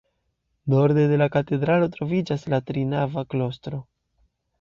Norde de la katedralo troviĝas la trinava klostro.